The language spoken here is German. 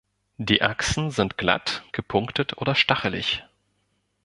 Die Achsen sind glatt, gepunktet oder stachelig.